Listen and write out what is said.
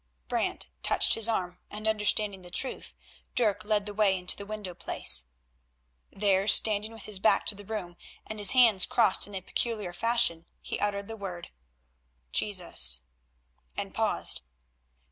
Brant touched his arm, and, understanding the truth, Dirk led the way into the window place. There, standing with his back to the room, and his hands crossed in a peculiar fashion, he uttered the word, "Jesus," and paused.